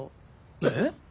えっ！？